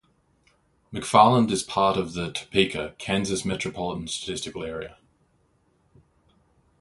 McFarland is part of the Topeka, Kansas Metropolitan Statistical Area.